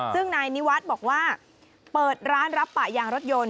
ซึ่งนายนิวัฒน์บอกว่าเปิดร้านรับปะยางรถยนต์